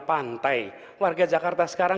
pantai warga jakarta sekarang